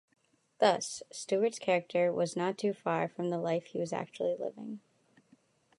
Thus, Stewart's character was not too far from the life he was actually living.